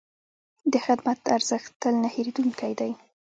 د خدمت ارزښت تل نه هېرېدونکی دی.